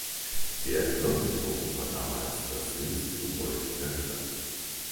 Der Glockenturm war damals das höchste Gebäude der Stadt.